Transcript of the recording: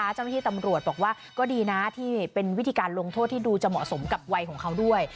เจ้าหน้าที่ตำรวจบอกว่าก็ดีนะที่เป็นวิธีการลงโทษที่ดูจะเหมาะสมกับวัยของเขาด้วย